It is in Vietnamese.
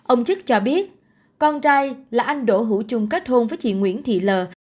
ông chức cho biết con trai là anh đỗ hữu chung kết hôn với chị nguyễn thị lờ